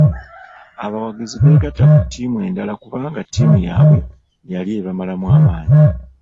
Abawagizi beegatta ku ttiimu endala kubanga ttiimu yaabwe yali ebamalamu maanyi.